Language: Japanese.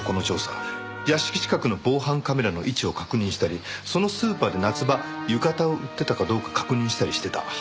屋敷近くの防犯カメラの位置を確認したりそのスーパーで夏場浴衣を売ってたかどうか確認したりしてた。